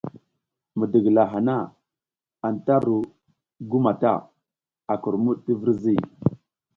Midigila hana anta ru gu mata, a kurmud ti virzi.